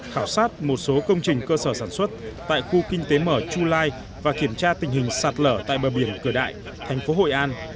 khảo sát một số công trình cơ sở sản xuất tại khu kinh tế mở chu lai và kiểm tra tình hình sạt lở tại bờ biển cửa đại thành phố hội an